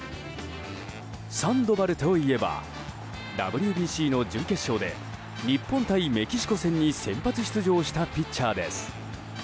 サンドバルといえばＷＢＣの準決勝で日本対メキシコ戦に先発出場したピッチャーです。